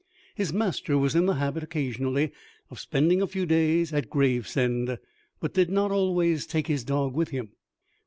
His master was in the habit, occasionally, of spending a few days at Gravesend, but did not always take his dog with him.